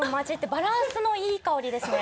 バランスのいい香りですね。